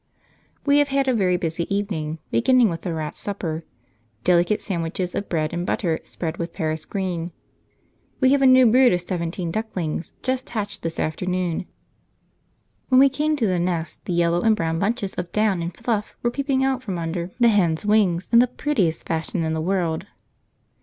We have had a very busy evening, beginning with the rats' supper delicate sandwiches of bread and butter spread with Paris green. We have a new brood of seventeen ducklings just hatched this afternoon. When we came to the nest the yellow and brown bunches of down and fluff were peeping out from under the hen's wings in the prettiest fashion in the world.